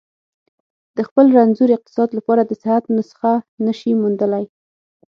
د خپل رنځور اقتصاد لپاره د صحت نسخه نه شي موندلای.